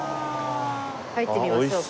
入ってみましょうか。